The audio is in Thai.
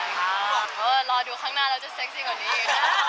เออรอดูข้างหน้าเราจะเซ็กซี่กว่านี้